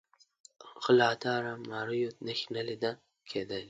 غلا، داړه ماریو نښې نه لیده کېدلې.